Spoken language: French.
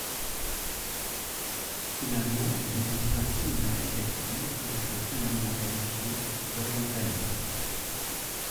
Finalement, il existe ainsi une architecture que l’on peut finalement qualifier d’orientaliste.